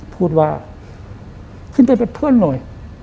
พูดว่าขึ้นไปเป็นเพื่อนหน่อย